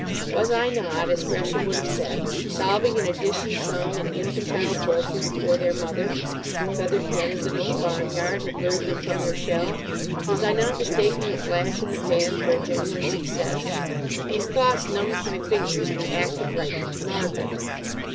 Was I not, as Gresham would have said, solving an addition sum in infantile poultry before their mother, the feathered denizen of the farmyard, had lured them from their shell? Was I not mistaking a flash in the pan for a genuine success? These thoughts numbed my fingers in the act of writing to Margaret.